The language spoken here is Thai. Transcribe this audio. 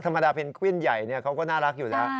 ธรรมดาเพนกวินใหญ่เขาก็น่ารักอยู่แล้ว